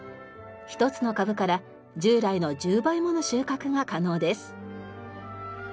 １つの株から従来の１０倍もの収穫が可能です。